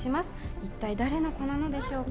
一体誰の子なのでしょうか。